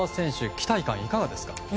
期待感、いかがですか？